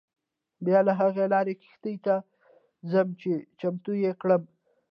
بیا له هغه لارې کښتۍ ته ځم چې چمتو یې کړم.